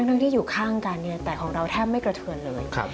ทั้งที่อยู่ข้างกันเนี่ยแต่ของเราแทบไม่กระเทือนเลย